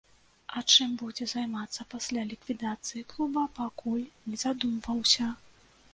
А чым будзе займацца пасля ліквідацыі клуба, пакуль не задумваўся.